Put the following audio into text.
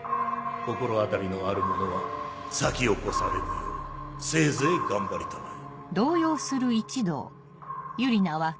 心当たりのある者は先を越されぬようせいぜい頑張りたまえ。